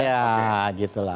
ya gitu lah